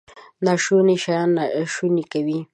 ناشوني شیان شوني کوي.